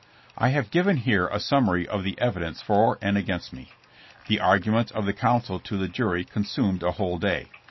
I have given here a summary of the evidence for and against me. The arguments of the counsel to the jury consumed a whole day.